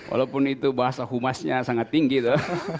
walaupun itu bahasa humasnya sangat tinggi itu